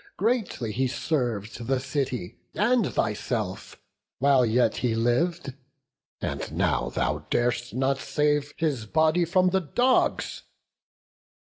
Greatly he serv'd the city and thyself, While yet he liv'd; and now thou dar'st not save His body from the dogs!